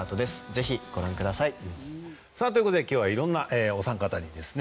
ぜひご覧ください。という事で今日は色んなお三方にですね